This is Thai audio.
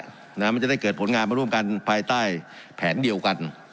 มันจะได้เกิดผลงานมาร่วมกันภายใต้แผนเดียวกัน